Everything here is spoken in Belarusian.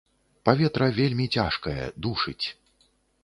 Паветра вельмі цяжкае, душыць.